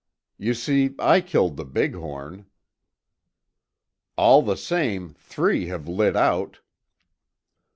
You see, I killed the big horn." "All the same, three have lit out."